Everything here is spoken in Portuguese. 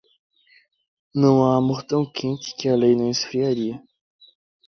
Não há amor tão quente que a lei não esfriaria.